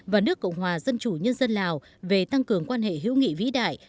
và nước cộng hòa dân chủ nhân dân lào về tăng cường quan hệ hữu nghị vĩ đại